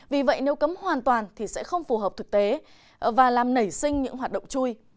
vì vậy nếu cấm hoàn toàn thì sẽ không phù hợp thực tế và làm nảy sinh những hoạt động chui